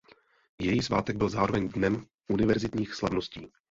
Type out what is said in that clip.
Její svátek byl zároveň dnem univerzitních slavností.